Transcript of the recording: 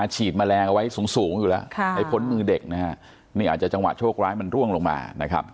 เชียดแมลงเอาไว้สูงอยู่แล้วโพลมือเด็กอาจจะจังหวะโถกร้ายมันร่วมลงมา